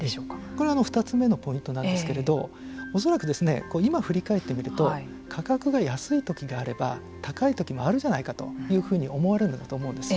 これは２つ目のポイントなんですけれど恐らく、今振り返ってみると価格が安いときがあれば高いときもあるじゃないかというふうに思われるんだと思うんです。